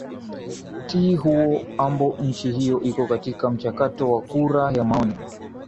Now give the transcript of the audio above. ti huo ambo nchi hiyo iko katika mchakato wa kura ya maoni